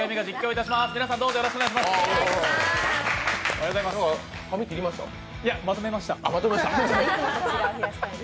いや、まとめました。